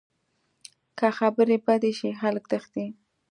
که خبرې بدې شي، خلک تښتي